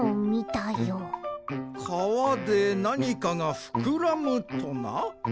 かわでなにかがふくらむとな？